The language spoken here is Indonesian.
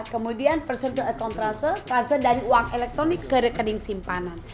kemudian person to account transfer transfer dari uang elektronik ke rekening simpanan